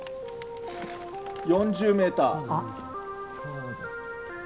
４０ｍ。